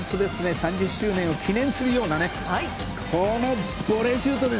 ３０周年を記念するようなこのボレーシュート。